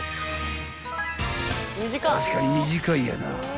［確かに短いやなぁ］